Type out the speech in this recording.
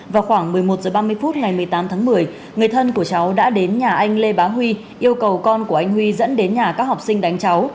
vào khoảng một mươi một h ba mươi phút ngày một mươi tám tháng một mươi người thân của cháu đã đến nhà anh lê bá huy yêu cầu con của anh huy dẫn đến nhà các học sinh đánh cháu